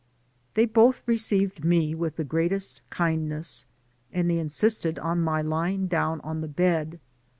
They both received me with the greatest kind ness, and they insisted on my lying down on the bed.